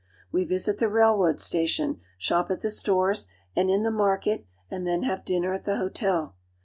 ,We visit the railroad station, shop at the stores and in the market, and then have dinner at the hotel.